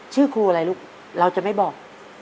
ชื่อครูอะไรลูกเราจะไม่บอก